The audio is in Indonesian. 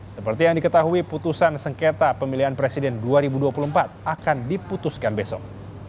seperti yang diketahui putusan sengketa pemilihan presiden dua ribu dua puluh empat akan diputuskan besok